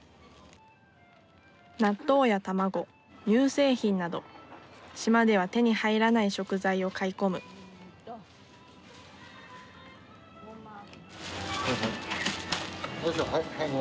納豆や卵乳製品など島では手に入らない食材を買い込むはいはい。